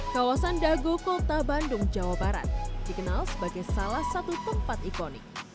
kawasan dago kota bandung jawa barat dikenal sebagai salah satu tempat ikonik